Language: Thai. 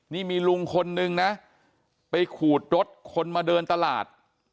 นี่มีลุงคนนึงนะไปขูดรถคนมาเดินตลาด